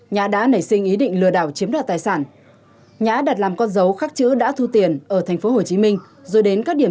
nhã đã nảy sinh ý định lừa đảo chiếm đoạt tài sản nhã đặt làm con dấu khắc chữ đã thu tiền ở tp hcm rồi đến các điểm